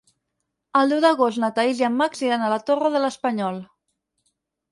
El deu d'agost na Thaís i en Max iran a la Torre de l'Espanyol.